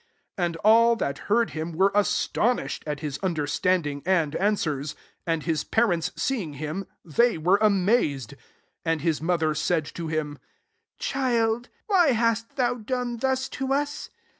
47 And all that heard him were astonished at his understanding ond answers. 48 And his parents 10 seeing him, they were amazed: and his mother said to him^ << Chiid^ why hast thou done thus to us